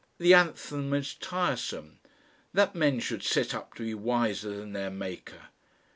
The anthem is tiresome!!! That men should set up to be wiser than their maker!!!"